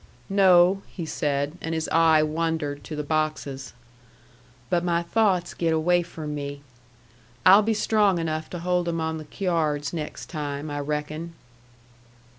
"No," he said, and his eye wandered to the boxes. "But my thoughts get away from me. I'll be strong enough to hold them on the cyards next time, I reckon."